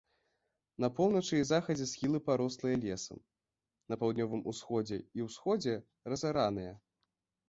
На поўначы і захадзе схілы парослыя лесам, на паўднёвым усходзе і ўсходзе разараныя.